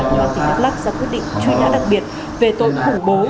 của tỉnh đắk lắc ra quyết định truy nã đặc biệt về tội khủng bố